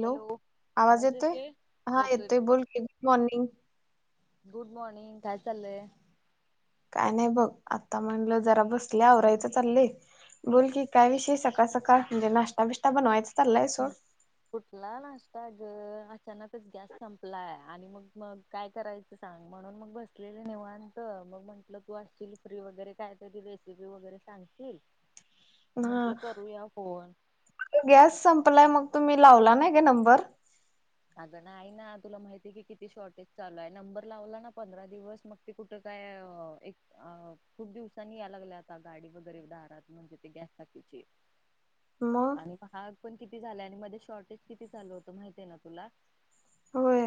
Hello आवाज येतोय हा येतोय बोल की गुड मॉर्निंग गुड मॉर्निंग काय चाललेय काय नाही बघ आता म्हणलं जरा बसले आवरायचं चाललय बोल की काय विषय सकाळ सकाळ म्हणजे नाष्टा बिष्टा बनवायचा चाललाय सोड हम्म कुठला नाष्टा अचानकच गॅस संपलाय आणि मग मग काय करायचं सांग, म्हणून मग बसलेलं निवांत मग म्हंटलं तू आशिल फ्री वगैरे काय तरी रेसिपी वगैरे सांगशील हा, म्हंटलं करूया फोन गॅस संप पलाय मग तुम्ही लावला नाही काय नंबर. अग नाही ना तुला माहितीय कि किती शॉर्टेज चालू आहे नंबर लावला ना पंधरा दिवस मग ते कुठ काय एक खूप दिवसांनी या लागल्या आता गाडी वगैरे दारात म्हणजे गॅस टाकीची. मग आणि पहा. पण किती झालंय आणि मध्ये शॉर्टेज किती चालु होतं माहिती आहे ना. तुला? होय.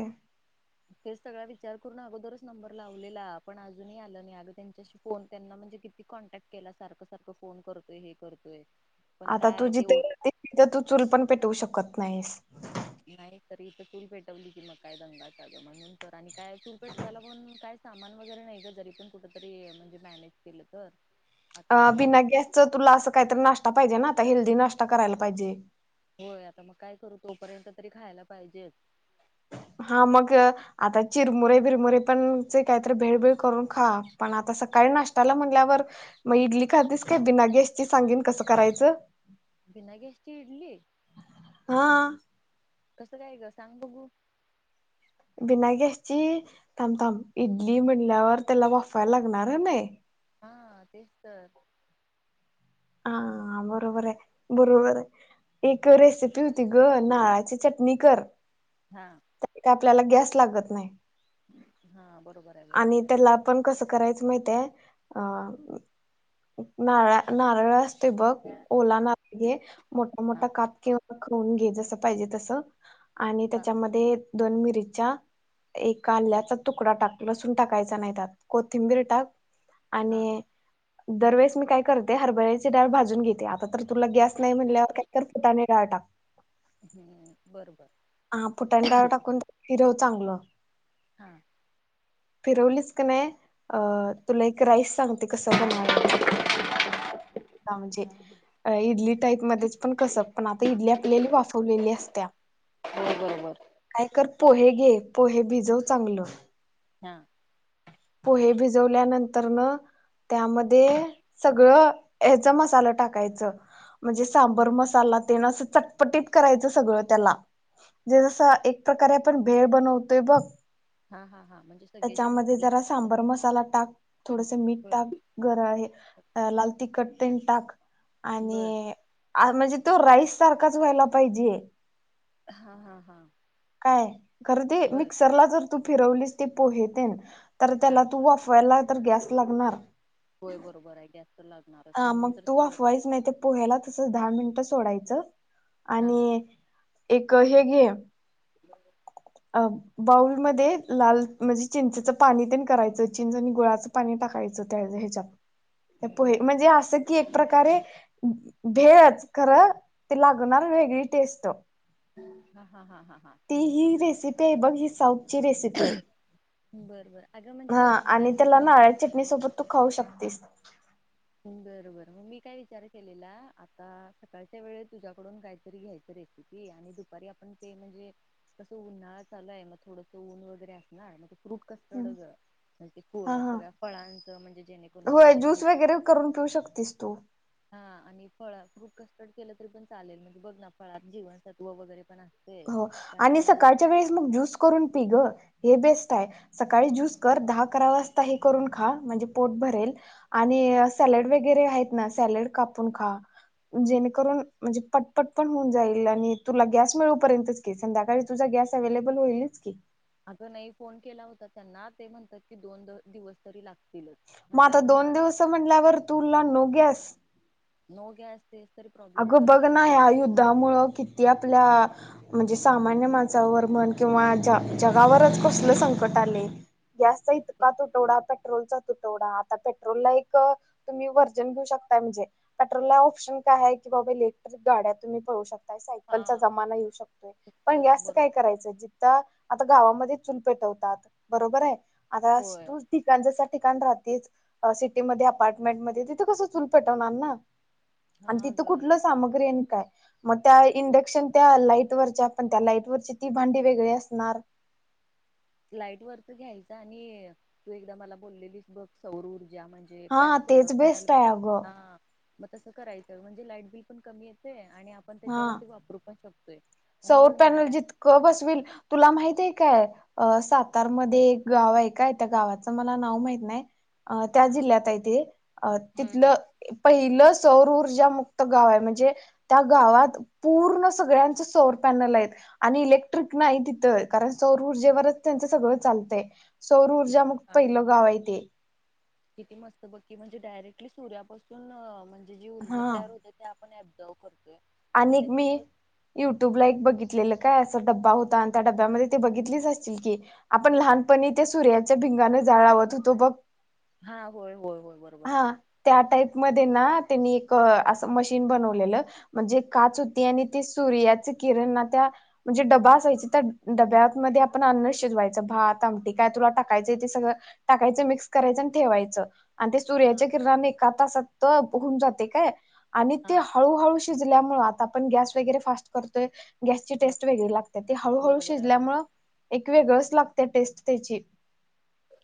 तेच सगळा विचार करून अगोदरच नंबर लावलेला पण अजूनही आलं नाही अग त्यांच्याशी फोन त्यांना म्हणजे किती कॉन्टॅक्ट केला सारखं सारखं फोन करतोय हे करतोय. पण आता तू काय ते ओ जिथे राहते तिथे तू चूल पण पेटवू शकत. नाईस. नाही तरी इथं चुल पेटवली की मग काय दंगाचा आग म्हणून तर आणि काय चुल पेटवायला पण काय सामान वगैरे नाही का जरी पण कुठ तरी म्हणजे मॅनेज केलं तर आता मग बिना ते गॅसच तुला असं काहीतरी नाश्ता पाहिजे ना. आता हेल्दी नाश्ता करायला पाहिजे. होय आता मग काय करू, तोपर्यंत तरी खायला पाहिजेच. हा मग आता चिरमुरे बिरमुरे पण चे काहीतरी भेळ बीळ करून. हा पण आता सकाळी नाष्टा म्हटल्यावर मग इडली खातीस का बिना गॅसची सांगीन कसं करायच? बिना गॅस ची इडली. हा. कसं काय ग, सांग बघू? बिना गॅसची थांब थाम इडली म्हणल्यावर त्याला वाफायला लागणार कणी. हा तेच तर हा बरोबर आहे बरोबर आहे. एक रेसिपी होती ग, नाळाची चटणी कर. हा. त्याने काय आपल्याला गॅस लागत नाही. हा बरोबर आहे आणि बरोबर आहे. त्याला पण कसं करायचं, मायते आ.. नारळा नारळा, महाराष्ट्र. ते बघ, ओलां नारळ घे. मोठा हा मोठा काप किंवा ते, ओवून घे, जस पाहिजे तस. आणि हा त्याच्यामध्ये, दोन मिरच्या एक, आल्याचा तुकडा टाक, लसून टाकायचा नाही, त्यात कोथिंबीर टाक. हा. आणि दर वेळेस मी काय करते हरभ बरेचेच डाळ भाजून घेते. आता तर तुला गॅस नाही म्हणल्यावर काही फुटाने डाळ टाक. हम्म बर बर. हा.. फुटाण डाळ घालून फिरवते. चांगलं. हा. फिरवलीस कनी अ.. तुला एक राईस, सांगते कस बनवायाच हा म्हणजे, इडली टाईप मध्येच पण कस, पण आता इडली आपली वाफवलेली असतीया हो बरोबर पोहे घे, पोहे भिजव चांगलं हा पोहे भिजवल्यानंतर न त्यामध्ये सगळं ह्याचा मसाल टाकायचं, म्हणजे सांबर मसाला तेन चटपटीत करायचं. सगळं त्याला म्हंजे जस एक प्रकारे आपण भेळ बनवतोय बघ हा हा हा म्हणजे सगळे जे त्याच्यामध्ये मसाले जरा असतात सांबर मसाला टाक, थोडस मीठ बर टाक, गरळे अ लाल तिखट तेल टाक बर आणि आ म्हणजे तो राईस सारखाच व्हायला पाहिजे. हा हा हा काय खर ते बर मिक्सरला जर तू फिरवलीस ती पोहे तेन तर हा त्याला तू वाफवायला त गॅस लागणार होय बरोबर आहे गॅस तर लागणारच अ म्हणून मग तर तू सगळं वाफवायच नाय पोह्याला तसच दहा मिन सोडायचं हा आणि एक हे घे अ बाऊलमध्ये लाल म्हणजे चिंचेचं पाणी तेन करायचं चिंच आणि गुळाचं पाणी टाकायचं त्या ह्याच्यात पोहे बर म्हणजे असं ती एक प्रकारे भेळच खरं ते लागणार वेगळी टेस्ट हा हा हा हा ती समजलं ही घे रेसिपी हाय बघ ही साऊथची रेसिपी ये बर बर अगं हा म्हणजे मी आणि त्याला काय नारळाची चटणी सोबत तू खाऊ शकतेस. ह [inaudible] बर बर मग मी काय विचार केलेला आता सकाळच्या वेळेत तुझ्याकडून काहीतरी घ्यायचं रेसिपी आणि दुपारी आपण ते म्हणजे कसं उन्हाळा चालु हाय मग थोडस ऊन वगैरे असणार मग फ्रूट कस्टर्डग हा म ते फु हा सगळ्या फळांचं म्हणजे जेणेकरून आता तुला माहिती देऊ शकतीस तू हा आणि फळ फ्रुट कस्टड केलं तरी पण चालेल म्हणजे बघ ना फळात जीवनसत्व वगैरे पण अस हो आणि सकाळच्या वेळेस मग ज्यूस करून पी ग हे बेस्ट आहे सकाळी ज्यूस कर दहा करा वाजता हे करून खा म्हणजे पोट भरेल आणि सॅलड वगैरे हायेत ना सॅलड कापून खा जेणेकरून म्हणजे पटपट पण होऊन जाईल आणि तुला गॅस मिळ पर्यंतच की संध्याकाळी तुझा गॅस अव्हेलेबल होईलच की, अग नाही फोन केला होता त्यांना ते म्हणतात की दोन द दिवस तरी लाग म आता दोन दिवस म्हटल्यावर तुला नो गॅस [inaudible] नो गॅस तेच तरी प्रॉब्लेम अगं चालू बघ ना, आहे या युद्धामुळं किती आपल्या म्हणजे, सामान्य माणसावर म्हण किंवा जगावरच कसलं संकट आलंय. गॅसचा इतका तुटवडा पेट्रोलचा तुटवडा आता पेट्रोलला एक तुम्ही वर्जन घेऊ शकताय म्हणजे, पेट्रोलला ऑप्शन काय हाय, की बाबा तुम्ही इलेक्ट्रिक गाडी पळवू शकताय. सायकलचा हा जमाना येऊ शकतोय पण तर जास्त बरोबर काय करायचं जिथं आता गावामध्ये चुल पेटवतात बरोबर हाय. आता होय [unintelligible] कांच्यासाठी. ठिकाण राहतीच सिटी मध्ये अपार्टमेंट मध्ये तिथे कस चूल पेटवणार ना. आणि हा तिथं ग कुठलं सामग्री आणि काय. मग त्या इंडक्शन त्या लाईट वरच्या, आपण त्या लाईट वरची ती भांडी वेगळी असणार. लाईट वरच घ्यायच आणि तू एकदा मला बोललेलीस बघ सैर ज्या म्हणजे हा तेच बेस्ट आहे अगं [unintelligible] मग तसं करायचं म्हणजे, लाईट बिल पण कमी येतंय आणि आपण हा त्याच्यावरती वापरू पण शकतो. सौर पॅनल जितकं बसविल तुला माहिती आहे. काय अ सातार मध्ये एक गाव आहे काय त्या गावाचं मला नाव माहित नाही. अ त्या हा जिल्ह्यात आहे तेे अ हम्म हम्म तिथलं पहिलंच चौरऊर्जा मुक्त गाव आहे म्हणजे, त्या गावात पूर्ण सगळ्यां सौरभ पॅनल आहेत आणि इलेक्ट्रिक नाही तिथं कारण सौर ऊर्जेवरच त्यांचं सगळं चालतंय. सौर किती [unintelligible] छान. पहिलं गाव आहे ते. किती मस्त बघकी म्हणजे, डायरेक्टली सूर्यापासून मह जी ऊर्जा हा तयार ते आप लवकर. आणि मी युट्यूब ला एक बघितलेलं. काय, असा डब्बा होता आणि त्या डब्यामध्ये ते बघितलीस असशील की, आपण लहानपणी त्या सूर्याच्या भिंगान जाळ लावत होतो बघ. हा, होय होय होय बरोबर आहे. हा त्या टाईप मध्ये ना त्यांनी एक अस मशीन बनवलेलं. म्हणजे, काच होती आणि ती सूर्याचे किरण ना त्या म्हणजे, डबा असायचे त्या डब्यामध्ये आपण अन्न शिजवायचं भात आमटी काय, तुला टाकायचं ते सगळं टाकायच मिक्स करायचं आणि ठेवायचं. आणि ते हा सूर्याच्या किरणाने एका तासत हुन जाते काय. आणि ते हा हळूहळू जल्या मुळे आता आपण गॅस वगैरे फास्ट करतोय. गॅसची हा टेस्ट वेगळी लागत्या ते हळूहळू बरोबर आहे होय शिजल्यामुळ एक वेगळं लागत्या टेस्ट त्याची.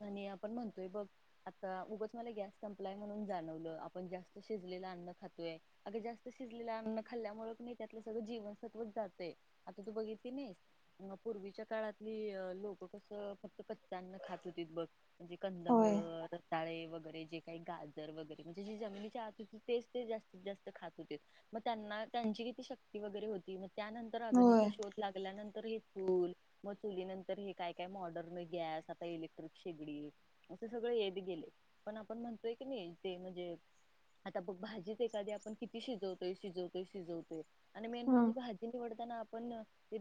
आणि आपण म्हणतोय बघ आता उगच मला गॅस संपलाय म्हणून जाणवलं आपण जास्त शिजलेलं अन्न खातोय अग जास्त शिजलेलं अन्न खाल्ल्यामु नाही त्यातलं सगळं जीवन सत्वत जातय आता तू बघितली नाहीस पूर्वीच्या काळातली लोक कसं फक्त कच्च अन्न खातो त बस म्हणजे कंद मुळ होय ाळे वगैरे जे काही गाजर वगैरे म्हणजे जे जमिनीची आत होती तेच ते जास्तीत जास्त खात होते मग त्यांना त्यांची किती शक्ती वगैरे होती त्यानंतर अग्नीचा होय शोध लागल्यानंतर फूल मग चुली नंतर हे काय काय मॉडर्न गॅस आता इले शेगडी असे सगळ येत गेले पण आपण म्हणतोय की नाही ते म्हणजे आता बघ भाजीच एखादी आपण किती शिजवतोय शिजवतोय शिजवतो आणि मेन हम्म म्हणजे भाजीव आपण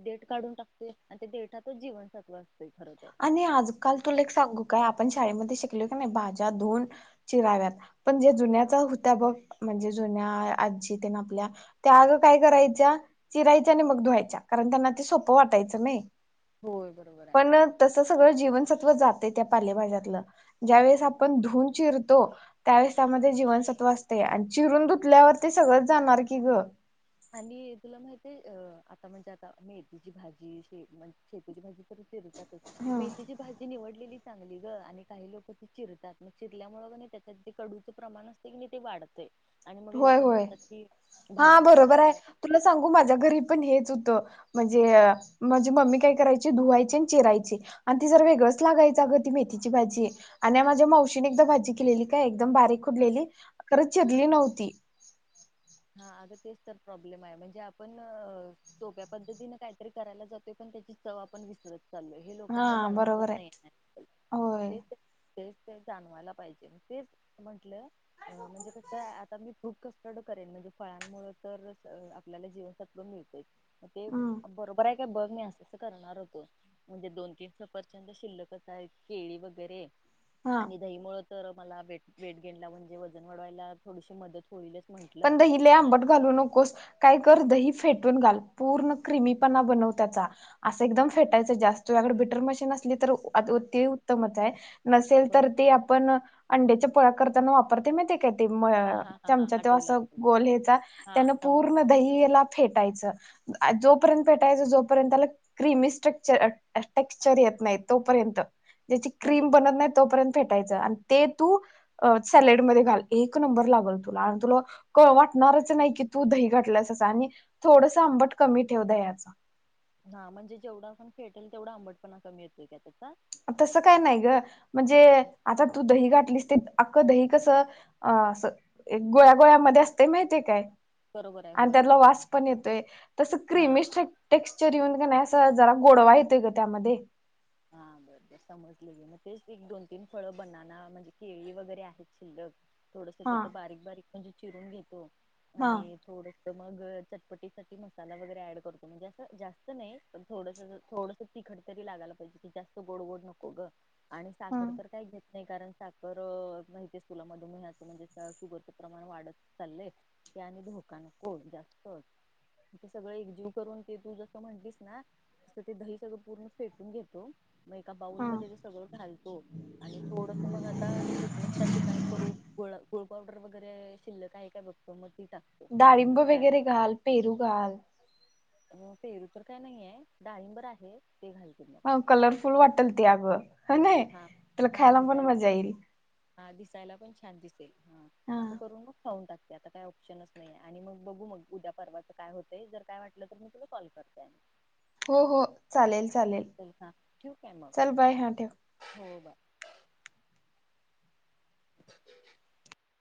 देट काढून टाकतोय, आणि ते देटातच जीवन सत्व असतं आणि आजकाल तुला सांगू काय आपण शाळेमध्ये शिकलो की नाही भाज्या धुून चिराव्यात पण ज्या जुन्याच होत्या बघ म्हणजे जुन्या आजी ते ना आपल्या त्या अगं काय करायच्या चिरायच्या आणि मग धुवायच्या कारण त्यांना ते सोपं वाटायचं नाही. होय बरोबर आहे. पण तसं सगळं जीवनसत्व जाते त्या पालेभाज्यातलं ज्या वेळेस आपण धुून चिरतो त्यावेेळेस त्यामध्ये जीवनसत्व असते आणि चिरून धुतल्यावर ते सगळंच जाणार की ग आणि तुला माहित आहेय अ आता म्हणजे आता मेथीची भाजी शे शेतीची भाजी मेथीची भाजी निवडलेली चांगली ग आणि काही लोक ती चिरतात मग चिरल्यामुळें नाही त्याच्यात ते कडूचं प्रमाण असत की नाही ते वाढतंय. आणि मग होय लोक होय म्हणतात की हा भाजी बरोबर आहे तुला सांगू माझ्या घरी पण हेच होतं. म्हणजे माझे मम्मी काय करायची धुवायची आणि चचेरायची आणि ती जर वेगळंच लागायचं अगं ती मेथीची भाजी आणि माझ्या मावशीने एकदा भाजी केलेली काय? दम बारीक हा खुंडलेली खर हा चिरली नव्हती. हा अग तेच तर प्रॉब्लेम आहे म्हणजे आपण सोप्या पद्धतीने काहीतरी करायला जातोय पण त्याची चव आपण विसरत. चालल हे हा लोकांना जाणवतच बरोबर आहे नाही होय तेच ते जाणवायला पाहिजे तेच म्हंटलं म्हणजे कस आता मी खूप कस. करेन म्हणजे फळांमुळे तर आपल्याला जीवन सत्वून मिळतय. ते हम्म बरोबर आहे. काय बघ नाही असं अस करणार होतो म्हणजे दोन तीन सफरचंद शिल्लकच आहे केळी वगैरे. हा आणि दही मुळ तर मला वे वेट घेणला म्हणजे वजन वाढवायला थोडीशी मदत होईल. पण दहीले आंबट घालू नकोस काय कर दही फेटून घाल पूर्ण क्रिमीपणा बनव त्याचा असं एकदम फेटायचं जास्त त्याकड बिटर मशीन असली तर उत्तमच आहे. नसेल तर ते आपण अंड्याच्या प करता व वापरते म ते क ते म हा हा हा हा चमचा आठवलं आठवलं गहेचा हा त्याना समज पूर्ण दहीला फेटायचं जोपर्यंत पेटायच जोपर्यंत त्याला क्रिमी स्ट्रेक्चर ट्रेक्चर येत नाही तोपर्यंत ज्याची म्हणजे क्रीम बनत नाही तोपर्यंत फेटायचं आणि ते तू सॅलेड मधे घाल एक नंबर लागल तुला तुला क वाटणारच नाही की तू दही घटल्यास आणि थोडस आंबट कमी ठेव दह्याच हा म्हणजे जेवढा आपण फेटेल तेवढं आंबट पणा कमी येतोय त्याचा तसं काय नाही ग म्हणजे आता तू दहीघाट घातलीस ते आकं दही कसं गोळ्या गोळ्यामध्ये असते माहितीय काय बरोबर आहे आणि होय त्याला होय वास पण येतोय तस हा क्रिम टेक्स्चर येऊन का नाही जरा गोडवा येतय ग त्यामध्ये बर बर समजले गे मग तेच एक दोन तीन फळं बनना म्हणजे केळी वगैरे आहेत शिल्लक थोडस हा तिथं बारीक बारीक म्हणजे चिरून घेतो हा आणि थोड तर मग चटपटीसाठीठी मसाला वगैरे ऍड करतो म्हणजे असं जास्त नाही थोडस थोडस तिखट तरी लाायला पाहिजे जास्त गोड गोड नको ग आणि ह साखर तर काय घेत नाही कारण साखर माहितीच तुला मधुमेन्याचं म्हणजे शुगरचं प्रमाण वाढत चाललंय ते आणि धोका नको जास्त ते सगळं एकजीव करून ते तू जसं म्हणलीस ना तस ते दही सगळं पूर्ण फेटून घेतो मग एका ह बाउलमध्येध्ये ते सगळं घालतो आणि थोडस मग आता फिटनेस साठी काय करू गुळ पावडर वगैरे शिल्लक आहे काय बघतो म डाळिंब वगैरे घाल पेरू घाल अ पेरू तर काय नाहीये डाळिंबर आहे ते घालते मग फूल वाटल ते अगं नाही हा त्याला हा खायला पण दिसायला मजा येईल हा दिसायला पण छान दिसत हा असं करून मग खाऊून टाकत आता काय ऑप्शनच नाही आणि मग बघू मग उद्या परवाचं काय होतंय जर काय वाटलं तर मी तुला कॉल करते हो हो चालेल चालेल चल खां ठेऊ काय मग चल बाय हा ठेव. हो ब [inaudible]